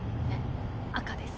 赤です。